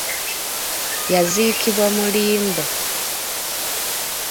Yaziikibwa mu limbo.